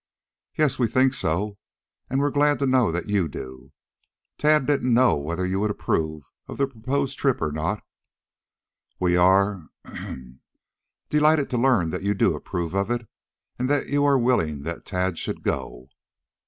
"Yes, we think so, and we're glad to know that you do. Tad didn't know whether you would approve of the proposed trip or not. We are ahem delighted to learn that you do approve of it and that you are willing that Tad should go."